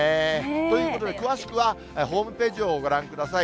ということで、詳しくはホームページをご覧ください。